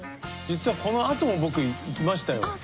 実はこのあとも僕行きましたよ。